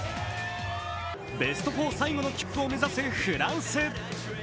ベスト４最後の切符を目指すフランス。